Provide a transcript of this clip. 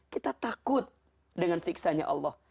kita takut dengan siksanya allah